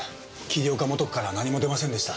桐岡素子からは何も出ませんでした。